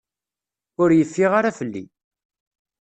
Ur yeffiɣ ara fell-i.